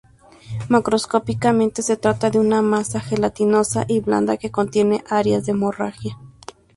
Macroscópicamente, se trata de una masa gelatinosa y blanda que contiene áreas de hemorragia.